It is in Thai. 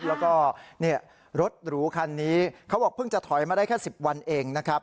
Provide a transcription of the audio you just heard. แล้วก็รถหรูคันนี้เขาบอกเพิ่งจะถอยมาได้แค่๑๐วันเองนะครับ